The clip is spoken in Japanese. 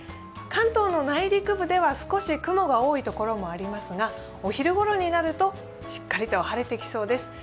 関東の内陸部では少し雲が多い所がありますがお昼ごろになると、しっかりと晴れてきそうです。